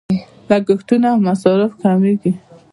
لګښتونه او مصارف کمیږي.